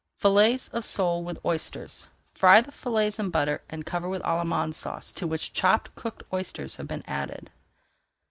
FILLETS OF SOLE WITH OYSTERS Fry the fillets in butter and cover with Allemande Sauce to which chopped cooked oysters have been added.